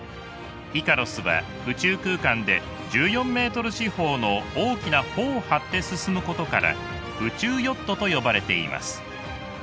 イカロスは宇宙空間で１４ｍ四方の大きな帆を張って進むことから宇宙ヨットと呼ばれています。